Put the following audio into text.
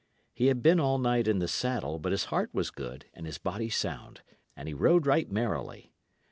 He had been all night in the saddle, but his heart was good and his body sound, and he rode right merrily.